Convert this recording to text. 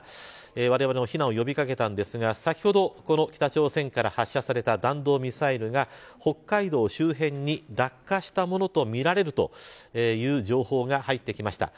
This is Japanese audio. われわれも避難を呼び掛けましたが先ほど北朝鮮から発射された弾道ミサイルが北海道周辺に落下したものとみられるという情報が入ってきました。